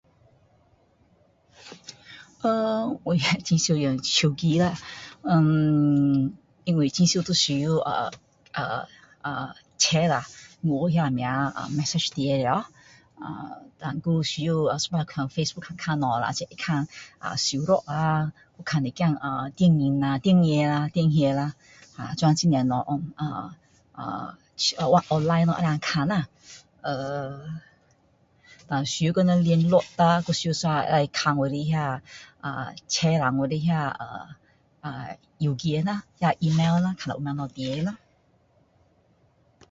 啊 我也很常用手机啦eerm因为很常都很需要啊啊啊chexk啦我有那什么message进来啊啊dan还需要那看facebook看看东西啦会看一点小说啊会一点电影电影啦这样很多东西啊啊online能够看啦er dan需要跟人联络啦dan需要看我的那个啊check啦我的那个邮件啦啊email啦看有没有什么东西进来咯